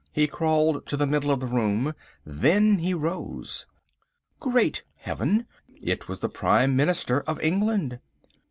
He crawled to the middle of the room. Then he rose. Great Heaven! It was the Prime Minister of England.